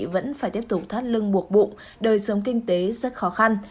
vẫn phải tiếp tục thắt lưng buộc bụng đời sống kinh tế rất khó khăn